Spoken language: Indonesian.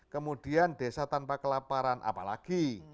kemudian desa tanpa kelaparan apalagi